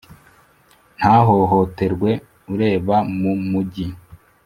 ntahohoterwe ureba mu mujyi